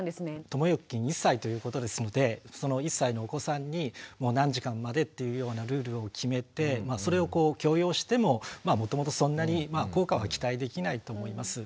ともゆきくん１歳ということですのでその１歳のお子さんに何時間までというようなルールを決めてそれを強要してももともとそんなに効果は期待できないと思います。